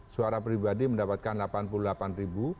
suara pribadi mendapatkan rp delapan puluh delapan